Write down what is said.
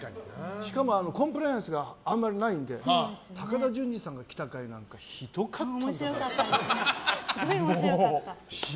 しかも、コンプライアンスがあまりないので高田純次さんが来た回なんかひどかったんです。